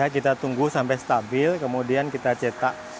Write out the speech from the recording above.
kita tunggu sampai stabil kemudian kita cetak